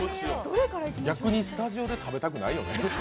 逆にスタジオで食べたくないよね。